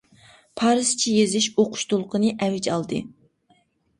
پارسچە يېزىش، ئوقۇش دولقۇنى ئەۋج ئالدى.